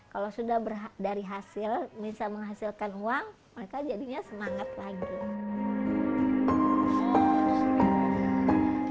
kalau sudah dari hasil bisa menghasilkan uang maka jadinya semangat lagi